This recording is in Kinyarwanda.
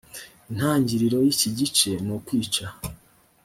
intangiriro y iki gice nukwica